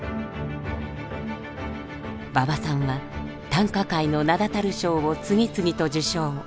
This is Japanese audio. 馬場さんは短歌界の名だたる賞を次々と受賞。